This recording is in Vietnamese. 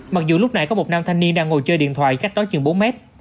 mặc dù lúc nãy có một nam thanh niên đang ngồi chơi điện thoại cách đó chừng bốn mét